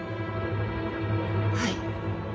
はい。